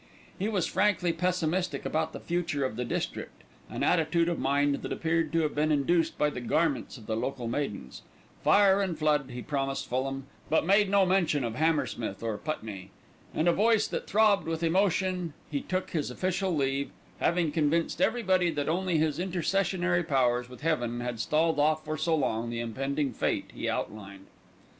He was frankly pessimistic about the future of the district, an attitude of mind that appeared to have been induced by the garments of the local maidens. Fire and flood he promised Fulham, but made no mention of Hammersmith or Putney. In a voice that throbbed with emotion he took his official leave, having convinced everybody that only his intercessionary powers with heaven had stalled off for so long the impending fate he outlined.